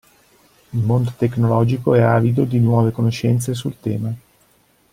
Il mondo tecnologico è avido di nuove conoscenze sul tema.